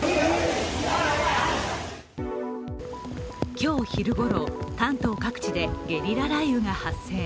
今日昼ごろ、関東各地でゲリラ雷雨が発生。